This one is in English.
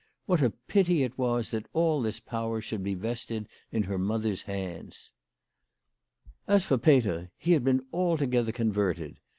What a pity it was that all this power should be vested in her mother's hands. As for Peter, he had been altogether converted.